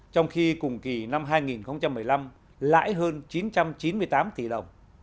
trong khi cùng kỳ năm hai nghìn một mươi năm lãi hơn chín trăm chín mươi tám tỷ đồng